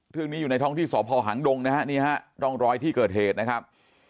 เรื่องนี้อยู่ในท้องที่สอบห่อหางดงนะฮะนี่ฮะรองรอยที่เกิดเหตุนะครับ